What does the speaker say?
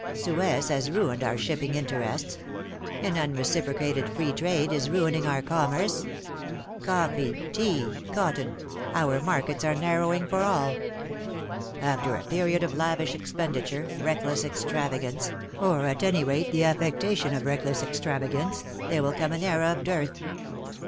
Suez has ruined our shipping interests ; an unreciprocated free trade is ruining our commerce. Coffee, tea, cotton — our markets are nar rowing for all. After a period of lavish expenditure, reckless extravagance, or at any rate the affectation of reckless extravagance, there will come an era of dearth.